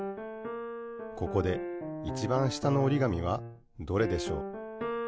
ここでいちばん下のおりがみはどれでしょう？